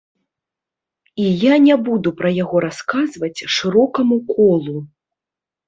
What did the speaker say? І я не буду пра яго расказваць шырокаму колу.